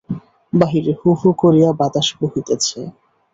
বাহিরে হু হু করিয়া বাতাস বহিতেছে।